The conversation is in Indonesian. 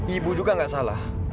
ibu juga nggak salah